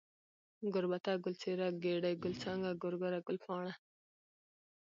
گوربته ، گل څېره ، گېډۍ ، گل څانگه ، گورگره ، گلپاڼه